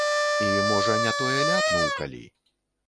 І, можа, не тое ляпнуў калі.